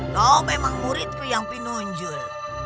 kau memang muridku yang penunjur